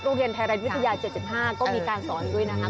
โรงเรียนไทยรัฐวิทยา๗๕ก็มีการสอนด้วยนะคะ